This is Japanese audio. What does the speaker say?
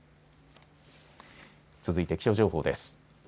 続いて気象情報です。